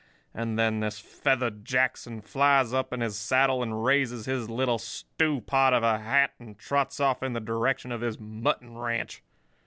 And then this feathered Jackson flies up in his saddle and raises his little stewpot of a hat, and trots off in the direction of his mutton ranch.